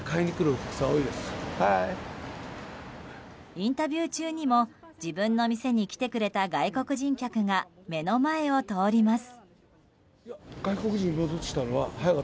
インタビュー中にも自分の店に来てくれた外国人客が目の前を通ります。